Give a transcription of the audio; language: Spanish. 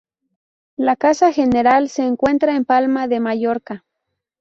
La casa general se encuentra en Palma de Mallorca.